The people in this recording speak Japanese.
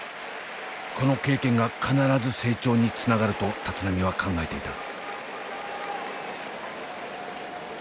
この経験が必ず成長につながると立浪は考えていた。